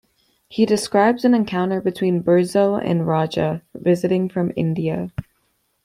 He describes an encounter between Burzoe and a Raja visiting from India.